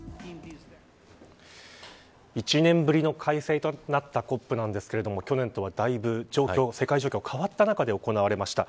１年ぶりの開催となったＣＯＰなんですけれども去年とは、だいぶ世界状況が変わった中で行われました。